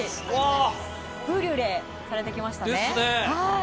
ブリュレされてきましたね。